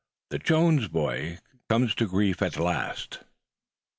THE JONES BOY COMES TO GRIEF AT LAST.